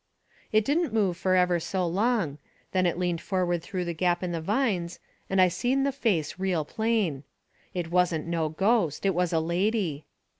It didn't move fur ever so long. Then it leaned forward through the gap in the vines, and I seen the face real plain. It wasn't no ghost, it was a lady.